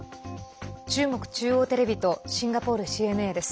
中国中央テレビとシンガポールＣＮＡです。